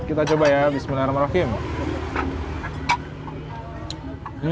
kita coba ya bismillahirrahmanirrahim